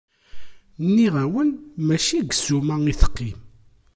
Nniɣ-awen mačči deg ssuma i teqqim!